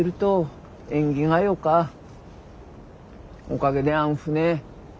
おかげであん船